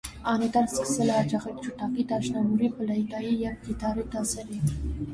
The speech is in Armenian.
Անիտան սկսել է հաճախել ջութակի, դաշնամուրի, ֆլեյտայի և կիթառի դասերի։